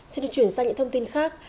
xin được chuyển sang những thông tin khác